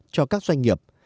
cho các doanh nghiệp